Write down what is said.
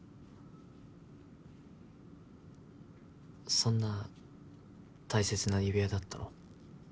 そんな大切な指輪だったの？